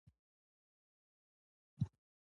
د کمپیوټر له برکته اوس هر څوک کولی شي له کوره کار وکړي.